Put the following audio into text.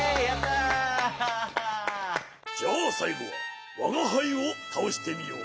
じゃあさいごはわがはいをたおしてみよう。